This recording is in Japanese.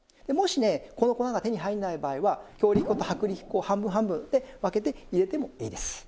もしねこの粉が手に入らない場合は強力粉と薄力粉を半分半分で分けて入れてもいいです。